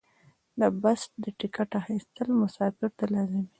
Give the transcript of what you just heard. د بس د ټکټ اخیستل مسافر ته لازمي دي.